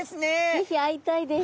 是非会いたいです！